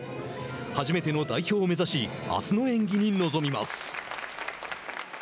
初めての代表を目指しあすの演技に臨みます。